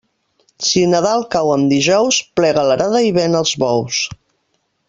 Si Nadal cau en dijous, plega l'arada i ven els bous.